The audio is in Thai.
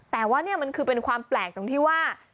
แต่ว่านี่มันคือเป็นความแปลกตรงที่ว่า